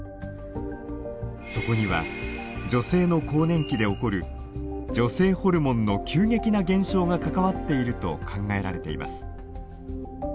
そこには女性の更年期で起こる女性ホルモンの急激な減少が関わっていると考えられています。